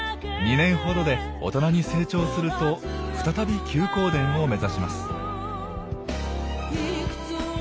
２年ほどで大人に成長すると再び休耕田を目指します。